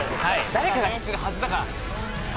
誰かが知ってるはずだから。